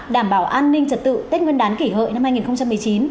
đảm bảo an ninh trật tự tết nguyên đán kỷ hợi năm hai nghìn một mươi chín